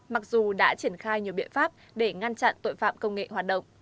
mặc dù đã triển khai nhiều biện pháp để ngăn chặn tội phạm công nghệ hoạt động